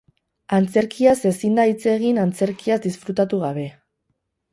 Antzerkiaz ezin da hitz egin antzerkiaz disfrutatu gabe.